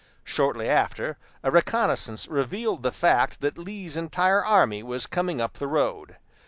Shortly after, a reconnaissance revealed the fact that Lee's entire army was coming up the road.